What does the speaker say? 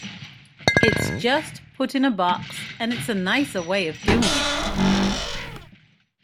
It's just put in a box and it's a nicer way of doing it.